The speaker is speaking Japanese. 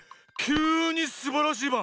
きゅうにすばらしいバン！